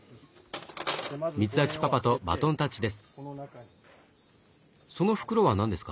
光昭パパとバトンタッチです。